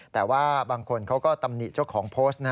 แต่ว่าบางคนเขาก็ตำหนิเจ้าของโพสต์นะ